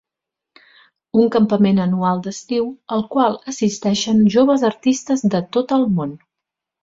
Un campament anual d'estiu al qual assisteixen joves artistes de tot el món.